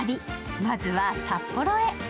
まずは札幌へ。